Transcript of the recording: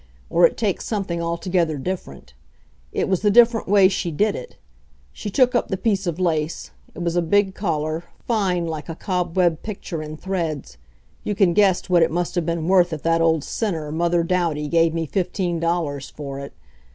Or it takes something altogether different. It was the different way she did it. She took up the piece of lace it was a big collar, fine like a cobweb picture in threads, you can guess what it must have been worth if that old sinner, Mother Douty, gave me fifteen dollars for it.